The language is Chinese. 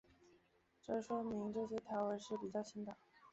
这说明这些条纹是比较新的。